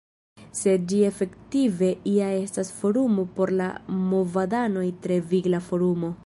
Sed ĝi efektive ja estas forumo por la movadanoj; tre vigla forumo.